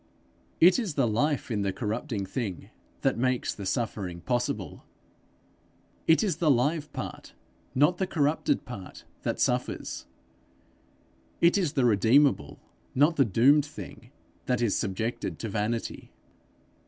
It is the life in the corrupting thing that makes the suffering possible; it is the live part, not the corrupted part that suffers; it is the redeemable, not the doomed thing, that is subjected to vanity.